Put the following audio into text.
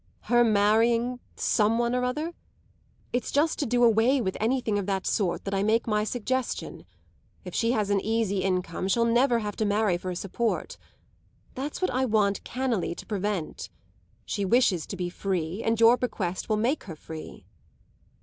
"Her marrying some one or other? It's just to do away with anything of that sort that I make my suggestion. If she has an easy income she'll never have to marry for a support. That's what I want cannily to prevent. She wishes to be free, and your bequest will make her free."